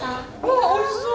わおいしそう。